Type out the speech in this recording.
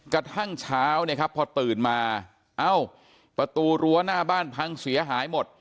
กระทั่งเช้าเนี่ยครับพอตื่นมาเอ้าประตูรั้วหน้าบ้านพังเสียหายหมด